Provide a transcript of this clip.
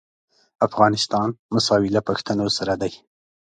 افغانستان مساوي له پښتنو سره دی.